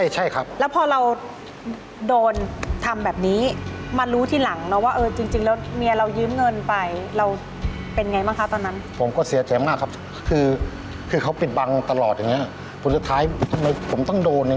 ใช่ครับเสียงหลักใช่น่ะครับถ้าเราล้มปั๊บอย่างนี้